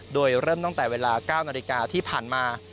โดยเริ่มตั้งแต่เวลา๙นาฬิกาที่ผ่านมา